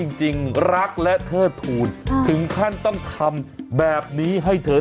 จริงรักและเทิดทูลถึงขั้นต้องทำแบบนี้ให้เธอ